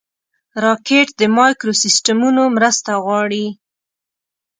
راکټ د مایکروسیسټمونو مرسته غواړي